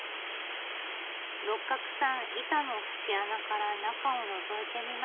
六角さん板の節穴から中をのぞいてみます。